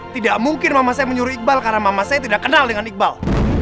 tidak mungkin mama saya menyuruh iqbal karena mama saya tidak kenal dengan iqbal